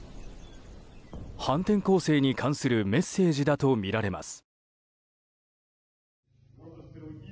反転攻勢に関するメッセージだとみられます。